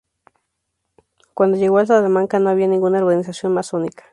Cuando llegó a Salamanca no había ninguna organización masónica.